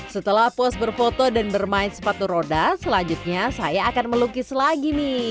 setelah puas berfoto dan bermain sepatu roda selanjutnya saya akan melukis lagi nih